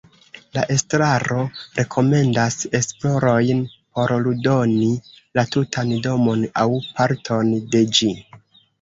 La estraro rekomendas esplorojn por ludoni la tutan domon aŭ parton de ĝi.